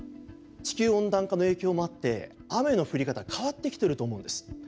地球温暖化の影響もあって雨の降り方変わってきてると思うんです。